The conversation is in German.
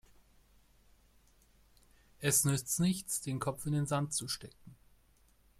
Es nützt nichts, den Kopf in den Sand zu stecken.